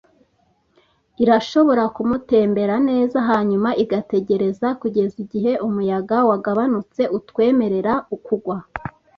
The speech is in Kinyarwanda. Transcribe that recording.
irashobora kumutembera neza hanyuma igategereza kugeza igihe umuyaga wagabanutse utwemerera kugwa.